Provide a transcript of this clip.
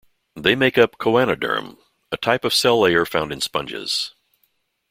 They make up Choanoderm, a type of cell layer found in sponges.